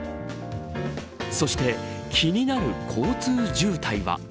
そして、気になる交通渋滞は。